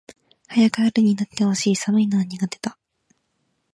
早く春になって欲しい。寒いのは苦手だ。